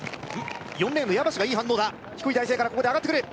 ４レーンの矢橋がいい反応だ低い体勢からここで上がってくる